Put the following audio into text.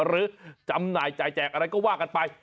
จำหน่ายจ่ายแจกอะไรก็ว่ากันไป